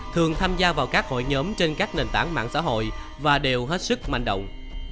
thường tham gia vào các hội nhóm trên các nền tảng mạng xã hội và đều hết sức manh động